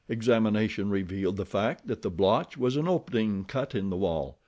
Examination revealed the fact that the blotch was an opening cut in the wall.